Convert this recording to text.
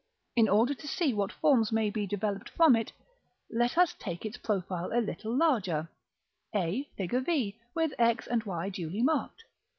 In order to see what forms may be developed from it, let us take its profile a little larger a, Fig. V., with X and Y duly marked.